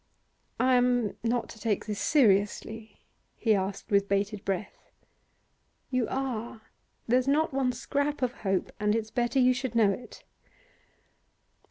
'I am not to take this seriously?' he asked with bated breath. 'You are. There's not one scrap of hope, and it's better you should know it.